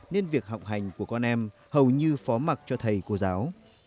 nên việc học hành của con em hầu như phó mặt cho thầy cô giáo